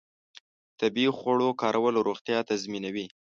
د طبیعي خوړو کارول روغتیا تضمینوي.